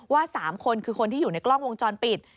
๓คนคือคนที่อยู่ในกล้องวงจรปิด